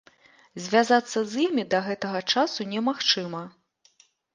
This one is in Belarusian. Звязацца з імі да гэтага часу немагчыма.